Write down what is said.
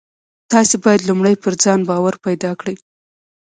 تاسې بايد لومړی پر ځان باور پيدا کړئ.